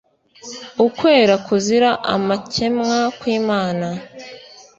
ukwera kuzira amakemwa kw'Imana,